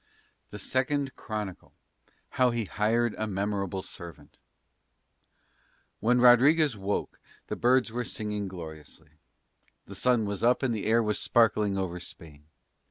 THE SECOND CHRONICLE HOW HE HIRED A MEMORABLE SERVANT When Rodriguez woke, the birds were singing gloriously. The sun was up and the air was sparkling over Spain.